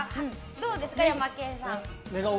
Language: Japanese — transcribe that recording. どうですか、ヤマケンさん。